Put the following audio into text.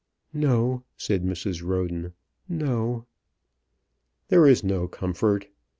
"No;" said Mrs. Roden "no." "There is no comfort.